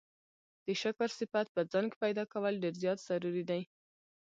د شکر صفت په ځان کي پيدا کول ډير زيات ضروري دی